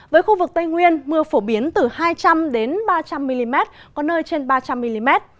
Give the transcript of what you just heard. với khu vực tây nguyên mưa phổ biến từ hai trăm linh ba trăm linh mm có nơi trên ba trăm linh mm